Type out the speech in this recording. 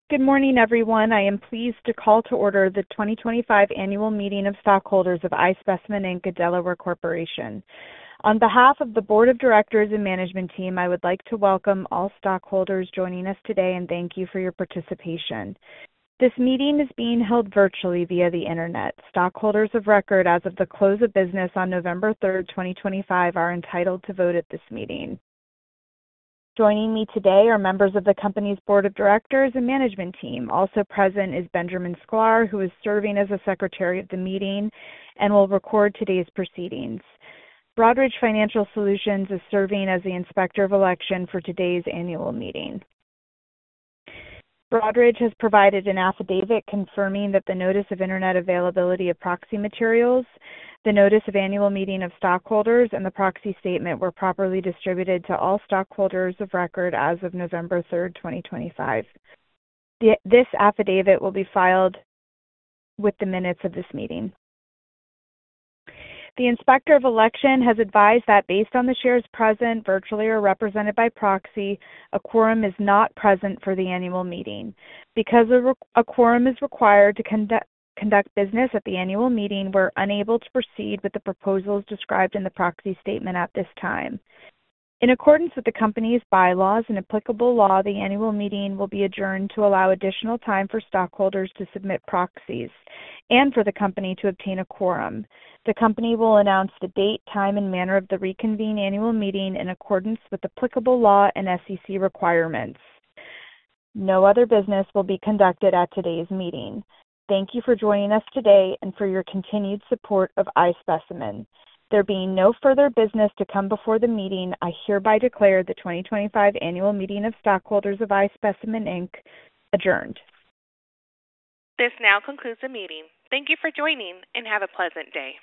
Good morning, everyone. I am pleased to call to order the 2025 annual meeting of stockholders of iSpecimen Inc., Delaware Corporation. On behalf of the board of directors and management team, I would like to welcome all stockholders joining us today and thank you for your participation. This meeting is being held virtually via the Internet. Stockholders of record as of the close of business on November 3rd, 2025 are entitled to vote at this meeting. Joining me today are members of the company's board of directors and management team. Also present is Benjamin Sklar, who is serving as the Secretary of the Meeting and will record today's proceedings. Broadridge Financial Solutions is serving as the inspector of election for today's annual meeting. Broadridge has provided an affidavit confirming that the notice of Internet availability of proxy materials, the notice of annual meeting of stockholders, and the proxy statement were properly distributed to all stockholders of record as of November 3rd, 2025. This affidavit will be filed with the minutes of this meeting. The inspector of election has advised that based on the shares present virtually or represented by proxy, a quorum is not present for the annual meeting. Because a quorum is required to conduct business at the annual meeting, we're unable to proceed with the proposals described in the proxy statement at this time. In accordance with the company's bylaws and applicable law, the annual meeting will be adjourned to allow additional time for stockholders to submit proxies and for the company to obtain a quorum. The company will announce the date, time, and manner of the reconvened annual meeting in accordance with applicable law and SEC requirements. No other business will be conducted at today's meeting. Thank you for joining us today and for your continued support of iSpecimen. There being no further business to come before the meeting, I hereby declare the 2025 annual meeting of stockholders of iSpecimen Inc. adjourned. This now concludes the meeting. Thank you for joining, and have a pleasant day.